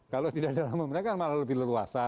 kalau tidak dalam pemerintahan malah lebih leluasa